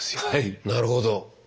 はいなるほど。